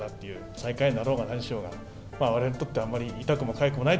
最下位になろうが、何しようが、われわれにとってはあまり痛くもかゆくもない。